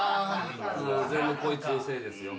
全部こいつのせいですよ。